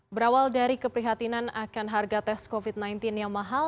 berawal dari keprihatinan akan harga tes covid sembilan belas yang mahal